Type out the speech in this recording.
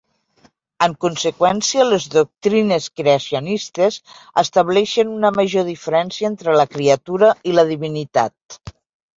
En conseqüència, les doctrines creacionistes estableixen una major diferència entre la criatura i la divinitat.